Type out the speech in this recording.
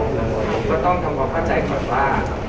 เราก็ต้องทำความเข้าใจก่อนว่า